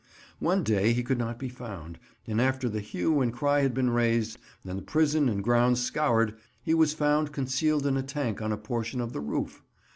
One day he could not be found, and after the hue and cry had been raised and the prison and grounds scoured, he was found concealed in a tank on a portion of the roof.